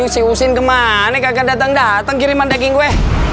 si usin kemana gak akan datang datang kiriman daging gue